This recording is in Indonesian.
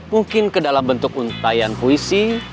mungkin ke dalam bentuk untayan puisi